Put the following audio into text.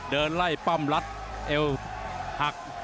เดินไล่ป้อมรัดเอวหัก